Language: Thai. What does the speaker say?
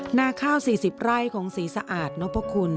หน้าข้าว๔๐ไร่ของสีสะอาดนพคุณ